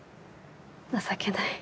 情けない。